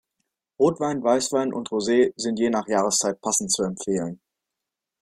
Rotwein, Weißwein und Rosé sind je nach Jahreszeit passend zu empfehlen.